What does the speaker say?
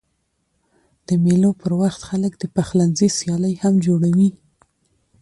د مېلو پر وخت خلک د پخلنځي سیالۍ هم جوړوي.